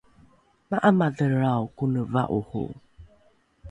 ma’amadhelrao kone va’oro